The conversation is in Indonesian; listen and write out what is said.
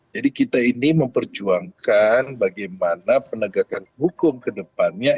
jadi kita ini memperjuangkan bagaimana penegakan hukum kedepannya